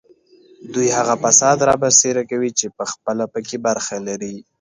دوی هغه فساد رابرسېره کوي چې پخپله په کې برخه لري